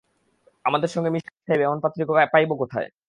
আমাদের সঙ্গে মিশ খাইবে, এমন পাত্রী পাইব কোথায়?